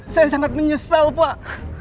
saya sangat menyesal pak